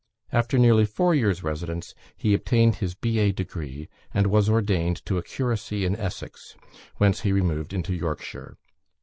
After nearly four years' residence, he obtained his B.A. degree, and was ordained to a curacy in Essex, whence he removed into Yorkshire.